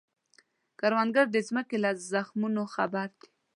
کروندګر د ځمکې له زخمونو خبر دی